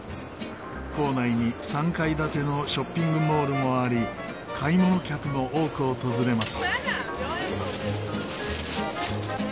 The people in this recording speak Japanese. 構内に３階建てのショッピングモールもあり買い物客も多く訪れます。